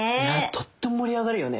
とっても盛り上がるよね。